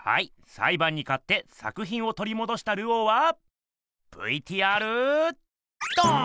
さいばんにかって作品を取り戻したルオーはＶＴＲどん！